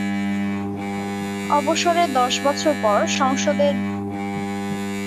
অবসরের দশ বছর পর এবং সংসদের যোগ দেওয়ার চার বছর পরে রিকার্ডো কানে সংক্রমণে মারা যান।